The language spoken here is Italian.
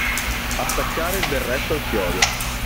Attaccare il berretto al chiodo.